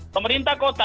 pemerintah kota ya